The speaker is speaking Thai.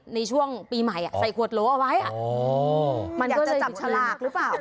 ในช่วงปีใหม่ใส่ขวดโหลเอาไว้มันอยากจะจับฉลากหรือเปล่า